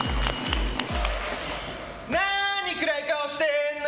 何暗い顔してんの？